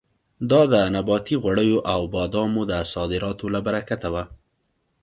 دا د نباتي غوړیو او د بادامو د صادراتو له برکته وه.